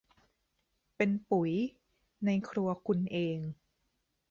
เป็นปุ๋ย ในครัวคุณเอง